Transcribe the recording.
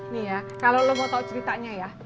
nih ya kalo lo mau tahu ceritanya ya